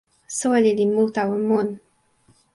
soweli li mu tawa mun.